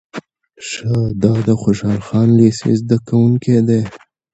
شه دا د خوشحال خان لېسې زده کوونکی دی.